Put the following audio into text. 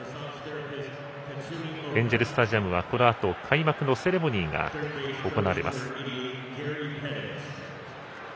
エンジェルスタジアムはこのあと開幕のセレモニーが行われます。